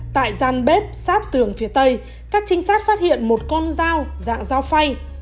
tại gian bếp sát tường phía tây các trinh sát phát hiện một con dao dạng dao phay